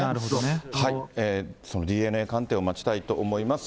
ＤＮＡ鑑定を待ちたいと思います。